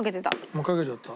もうかけちゃった。